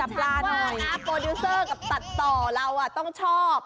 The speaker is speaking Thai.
แต่ชั้นว่าอาฟบิวเซอร์กับตัต่อเราต้องชอบ